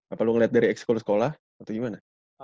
apa lu ngeliat dari sekolah atau gimana